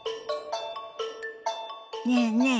ねえねえ